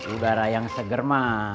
udara yang seger mah